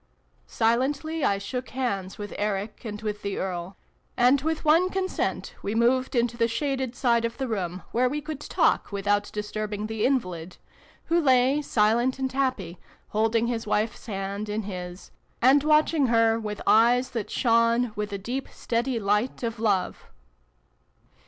" Silently I shook hands with Eric and with the Earl : and with one consent we moved into the shaded side of the room, where we could talk without disturbing the invalid, who lay, silent and happy, holding his wife's hand in his, and watching her with eyes that shone with the deep steady light of Love.